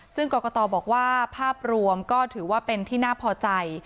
ซึ่งกรกตบอกว่าภาพรวมก็ถือว่าเป็นที่น่าพอใจ